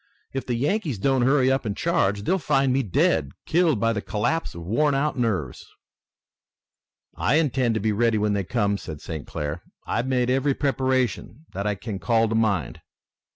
If the Yankees don't hurry up and charge, they'll find me dead, killed by the collapse of worn out nerves." "I intend to be ready when they come," said St. Clair. "I've made every preparation that I can call to mind."